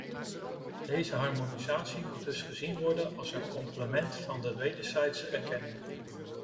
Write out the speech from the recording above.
Deze harmonisatie moet dus gezien worden als een complement van de wederzijdse erkenning.